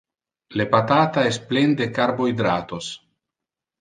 Le patata es plen de carbohydratos.